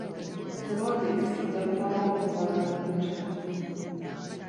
Pulojekiti ejja kumalawo obukuubagano mu bitundu.